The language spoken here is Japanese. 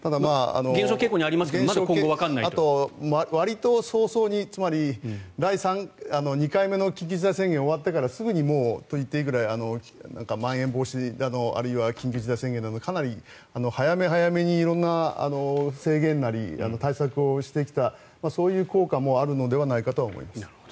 減少傾向にはありますけどわりと早々につまり、２回目の緊急事態宣言が終わってからすぐにもうと言っていいぐらいまん延防止措置あるいは緊急事態宣言だのかなり早め早めに色んな制限なり対策をしてきたそういう効果もあるのではないかと思います。